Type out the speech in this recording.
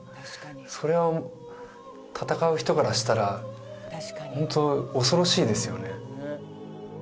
それを戦う人からしたらホント恐ろしいですよね